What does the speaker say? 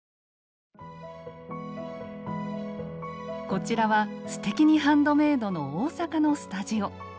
こちらは「すてきにハンドメイド」の大阪のスタジオ。